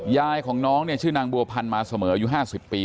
ยายของน้องเนี่ยชื่อนางบัวพันธ์มาเสมออายุ๕๐ปี